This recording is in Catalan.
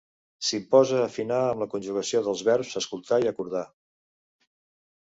S’imposa afinar amb la conjugació dels verbs escoltar i acordar.